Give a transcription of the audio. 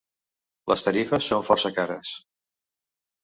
Les tarifes son força cares.